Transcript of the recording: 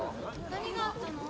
何があったの？